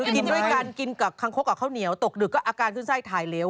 ตกดึกก็อาการขึ้นไส้ถ่ายเหลว